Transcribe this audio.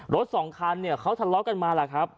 สองคันเนี่ยเขาทะเลาะกันมาแหละครับ